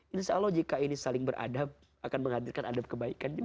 insya allah jika ini saling beradab akan menghadirkan adab kebaikan juga